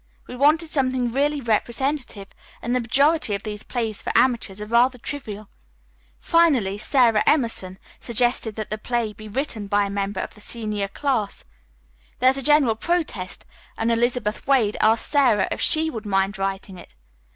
We wanted something really representative, and the majority of these plays for amateurs are rather trivial. Finally, Sara Emerson suggested that the play be written by a member of the senior class. There was a general protest, and Elizabeth Wade asked Sara if she would mind writing it.